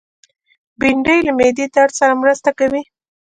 بېنډۍ له معدې درد سره مرسته کوي